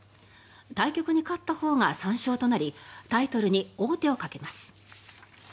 対局に勝ったほうが３勝となりタイトルに王手をかけます。